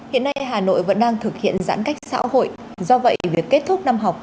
hiện nay hà nội vẫn đang thực hiện giãn cách xã hội do vậy việc kết thúc năm học